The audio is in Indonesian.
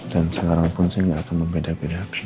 dan sekarang pun saya tidak akan membeda beda hati